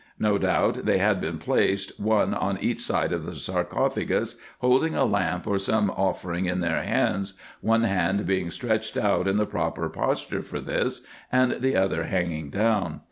No doubt they had been placed one on each side of the sarcophagus, holding a lamp or some offering in their hands, one hand being stretched out in the proper posture for this, and the other hanging down.